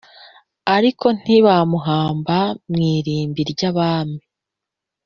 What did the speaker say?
ariko ntibamuhamba mu irimbi ry abami